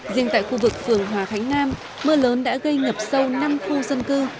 riêng tại khu vực phường hòa khánh nam mưa lớn đã gây ngập sâu năm khu dân cư